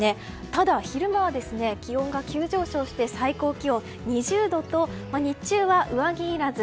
ただ、昼間は気温が急上昇して最高気温２０度と日中は上着いらず。